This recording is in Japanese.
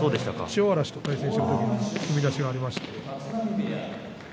千代嵐と対戦する時に踏み出しがありました。